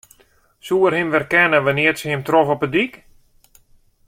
Soe se him werkenne wannear't se him trof op de dyk?